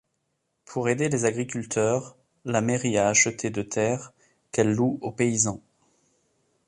Pour aider les agriculteurs, la mairie a acheté de terres qu’elle loue aux paysans.